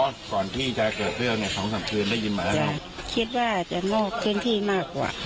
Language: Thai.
ก่อนที่จะเกิดเรื่องเนี้ยสองสามคืนได้ยินมาแล้วยังคิดว่าจะนอกพื้นที่มากกว่า